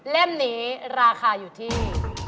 เล่มนี้ราคาอยู่ที่